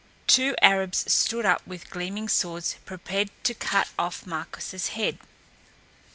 Two Arabs stood up with gleaming swords prepared to cut off Marko's head.